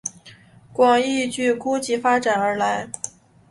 广义矩估计发展而来。